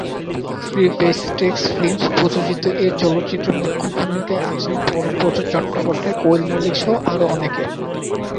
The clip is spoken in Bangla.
শ্রী ভেঙ্কটেশ ফিল্মস প্রযোজিত এ চলচ্চিত্রে মুখ্য ভূমিকায় আছেন পরমব্রত চট্টোপাধ্যায়, কোয়েল মল্লিক সহ আরো অনেকে।